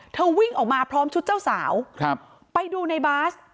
วิ่งออกมาพร้อมชุดเจ้าสาวครับไปดูในบาส